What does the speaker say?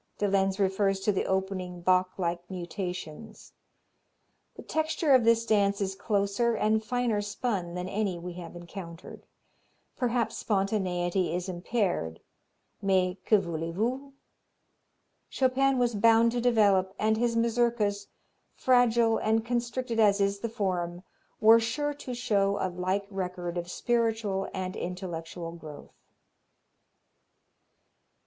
'" De Lenz refers to the opening Bach like mutations. The texture of this dance is closer and finer spun than any we have encountered. Perhaps spontaneity is impaired, mais que voulez vous? Chopin was bound to develop, and his Mazurkas, fragile and constricted as is the form, were sure to show a like record of spiritual and intellectual growth.